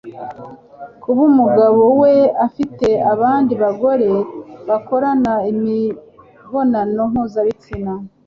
Kuba umugabo we afite abandi bagore bakorana imibonano mpuzabitsina